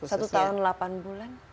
satu tahun lapan bulan